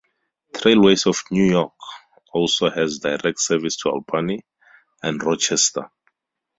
Trailways of New York also has direct service to Albany and Rochester.